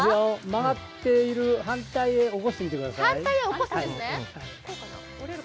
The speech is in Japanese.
曲がっている反対へ起こしてみてください。